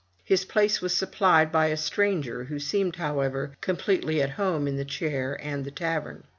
His place was supplied by a stranger, who seemed, however, completely at home in the chair and the tavern.